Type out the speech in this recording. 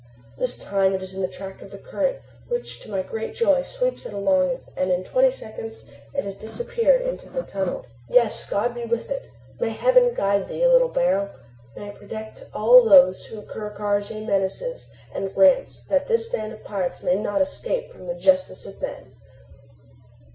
This time it is in the track of the current, which to my great joy sweeps it along and in twenty seconds, it has disappeared in the tunnel. Yes, God be with it! May Heaven guide thee, little barrel! May it protect all those whom Ker Karraje menaces and grant that this band of pirates may not escape from the justice of man!